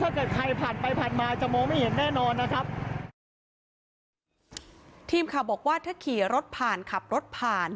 ถ้าเกิดใครผ่านไปผ่านมาจะมองไม่เห็นแน่นอนนะครับทีมข่าวบอกว่าถ้าขี่รถผ่านขับรถผ่าน